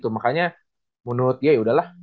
makanya menurut dia yaudah lah